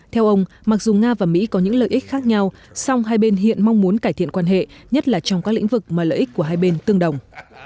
theo ông mặc dù nga và mỹ có những lợi ích khác nhau song hai bên hiện mong muốn cải thiện quan hệ nhất là trong các lĩnh vực mà lợi ích của hai bên tương đồng